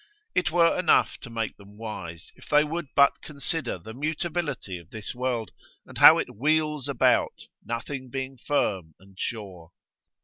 It were enough to make them wise, if they would but consider the mutability of this world, and how it wheels about, nothing being firm and sure.